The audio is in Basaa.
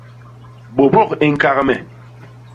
Bôbôk i ñkak me!